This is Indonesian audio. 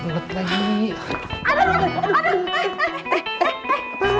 aduh enggak banget lagi